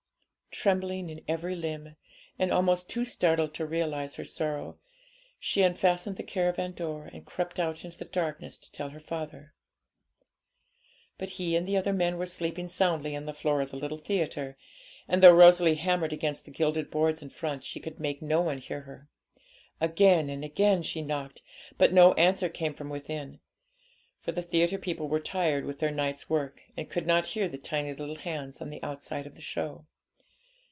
Trembling in every limb, and almost too startled to realise her sorrow, she unfastened the caravan door, and crept out into the darkness to tell her father. But he and the men were sleeping soundly on the floor of the little theatre, and, though Rosalie hammered against the gilded boards in front, she could make no one hear her. Again and again she knocked, but no answer came from within; for the theatre people were tired with their night's work, and could not hear the tiny little hands on the outside of the show.